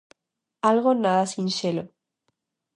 Algo nada sinxelo.